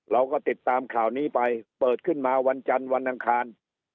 เราก็ติดตามข่าวนี้ไปเปิดขึ้นมาวันจันทร์วันอังคาร